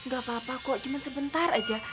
gak apa apa kok cuma sebentar aja